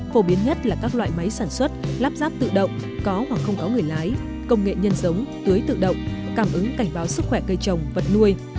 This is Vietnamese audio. phổ biến nhất là các loại máy sản xuất lắp ráp tự động công nghệ nhân sống tưới tự động cảm ứng cảnh báo sức khỏe cây trồng vật nuôi